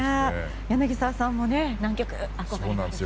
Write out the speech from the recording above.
柳澤さんも南極は憧れますか。